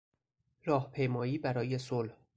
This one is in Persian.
راهپیمایی برای صلح